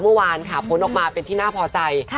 เมื่อวานค่ะผลออกมาเป็นที่น่าพอใจ